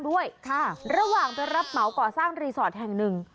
ระหว่างจะรับเหมาก่อก่อสร้างสถ์แห่งหนึ่ง